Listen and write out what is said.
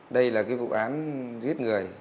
đây là cái vụ án giết người